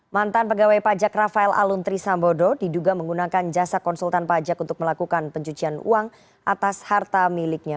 mantan pegawai pajak rafael aluntri sambodo diduga menggunakan jasa konsultan pajak untuk melakukan pencucian uang atas harta miliknya